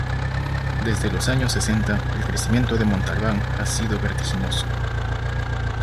Desde los años sesenta el crecimiento de Montalbán ha sido vertiginoso.